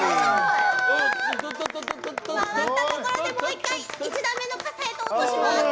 回ったところでもう１回１段目の傘に落とします。